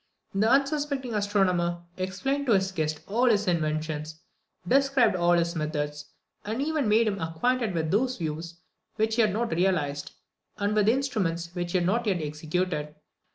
The unsuspecting astronomer explained to his guest all his inventions, described all his methods, and even made him acquainted with those views which he had not realised, and with instruments which he had not yet executed.